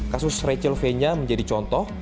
kasus rachel fenya menjadi contoh